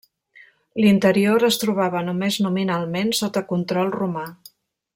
L'interior es trobava només nominalment sota control romà.